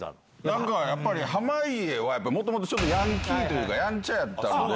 なんかやっぱり、濱家はもともとヤンキーというか、やんちゃやったんで。